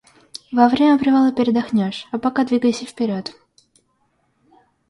Во время привала передохнёшь, а пока двигайся вперёд!